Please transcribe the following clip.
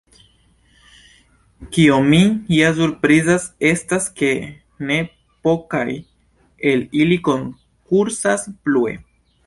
Kio min ja surprizas estas ke ne pokaj el ili konkursas plue!